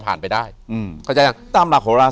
อยู่ที่แม่ศรีวิรัยิลครับ